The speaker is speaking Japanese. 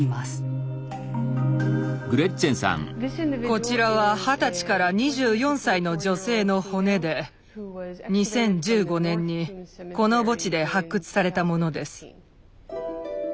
こちらは二十歳から２４歳の女性の骨で２０１５年にこの墓地で発掘されたものです。